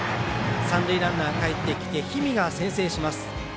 三塁ランナーかえってきて氷見が先制します。